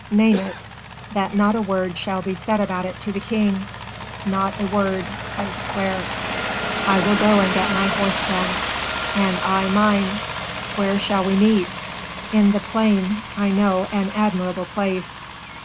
"Name it." "That not a word shall be said about it to the king." "Not a word, I swear." "I will go and get my horse, then." "And I, mine." "Where shall we meet?" "In the plain; I know an admirable place."